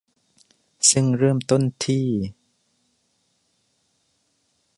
ซึ่งเริ่มต้นที่